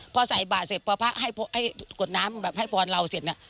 พอใส่บาทเสร็จพอพระให้กดน้ำแบบให้พรเราเสร็จ